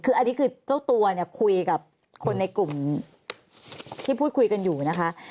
คืออันนี้คือเจ้าตัวเนี่ยคุยกับคนในกลุ่มที่พูดคุยกันอยู่นะคะ